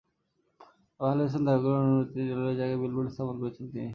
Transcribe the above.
তবে আলী হোসেন দাবি করেন, অনুমতি নিয়ে রেলওয়ের জায়গায় বিলবোর্ড স্থাপন করেছেন তিনি।